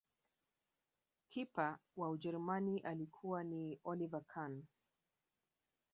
Kipa wa ujerumani alikuwa ni oliver Khan